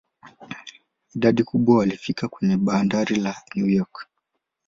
Idadi kubwa walifika kwenye bandari la New York.